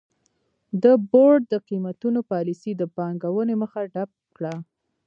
د بورډ د قېمتونو پالیسۍ د پانګونې مخه ډپ کړه.